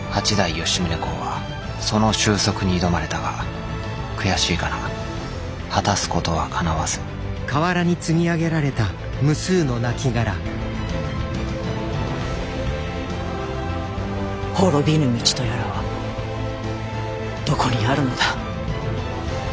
吉宗公はその収束に挑まれたが悔しいかな果たすことはかなわず滅びぬ道とやらはどこにあるのだ。